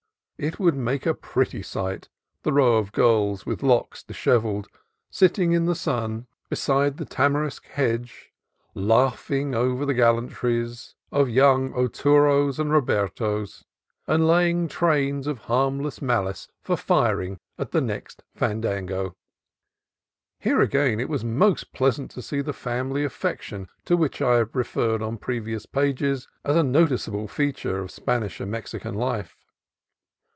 It would make a pretty sight, the row of girls with locks dis hevelled, sitting in the sun beside the tamarisk 186 CALIFORNIA COAST TRAILS hedge, laughing over the gallantries of young Ar turos and Robertos, and laying trains of harmless malice for firing at the next fandango. Here again it was most pleasant to see the family affection to which I have referred in previous pages as a notice able feature of Spanish and Mexican life.